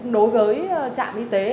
đối với trạm y tế